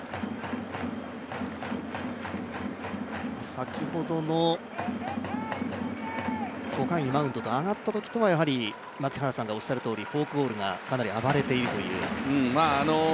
先ほどの５回、マウンドに上がったときと、やはり槙原さんがおっしゃるとおりフォークボールがかなり暴れているという。